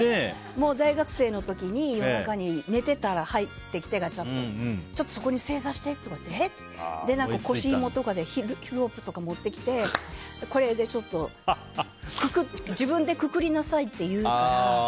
大学生の時に夜中に寝ていたら入ってきてそこに正座してって言われて腰元にロープとかを持ってきてこれでちょっと自分でくくりなさいって言うから。